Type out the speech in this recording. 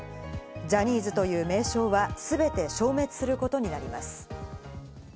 ジャニーズという名称は全て消滅することになります。